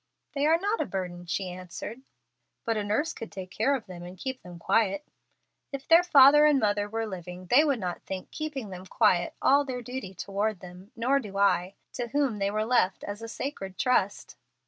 "They are not a burden," she answered. "But a nurse could take care of them and keep them quiet." "If their father and mother were living they would not think 'keeping them quiet' all their duty toward them, nor do I, to whom they were left as a sacred trust."